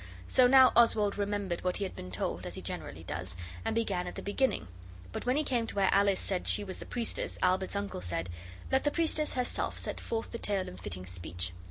So now Oswald remembered what he had been told, as he generally does, and began at the beginning, but when he came to where Alice said she was the priestess, Albert's uncle said 'Let the priestess herself set forth the tale in fitting speech.